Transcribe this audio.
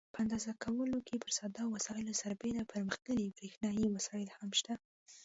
په اندازه کولو کې پر ساده وسایلو سربېره پرمختللي برېښنایي وسایل هم شته.